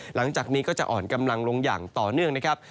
หลังจากนี้ก็จะอ่อนกำลังลงอย่างต่อเนื่องนะครับ